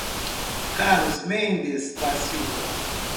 Carlos Mendes da Silva